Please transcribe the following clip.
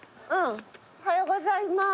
おはようございます。